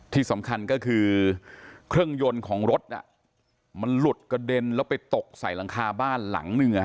ที่สำคัญก็คือเครื่องยนต์ของรถมันหลุดกระเด็นแล้วไปตกใส่หลังคาบ้านหลังหนึ่ง